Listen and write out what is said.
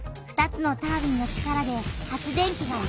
２つのタービンの力で発電機が動き